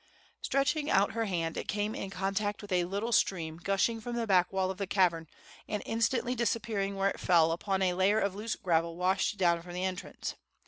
Stretching out her hand, it came in contact with a little stream gushing from the back wall of the cavern, and instantly disappearing where it fell upon a layer of loose gravel washed down from the entrance.